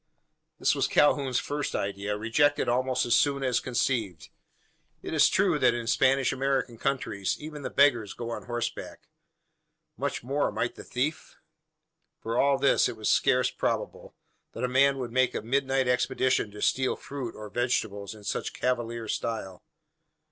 This was Calhoun's first idea rejected almost as soon as conceived. It is true that in Spanish American countries even the beggar goes on horseback. Much more might the thief? For all this, it was scarce probable, that a man would make a midnight expedition to steal fruit, or vegetables, in such cavalier style.